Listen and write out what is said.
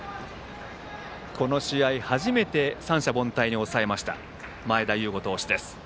この試合初めて三者凡退に抑えた前田悠伍投手です。